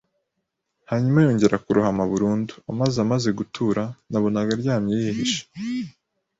hanyuma yongera kurohama burundu. Amazi amaze gutura, nabonaga aryamye yihishe